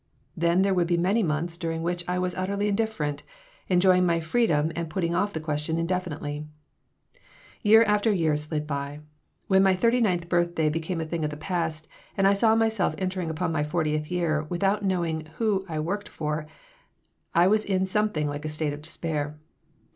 Then there would be many months during which I was utterly indifferent, enjoying my freedom and putting off the question indefinitely Year after year slid by. When my thirty ninth birthday became a thing of the past and I saw myself entering upon my fortieth year without knowing who I worked for I was in something like a state of despair.